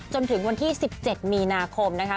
จนถึงวันที่๑๗มีนาคมนะคะ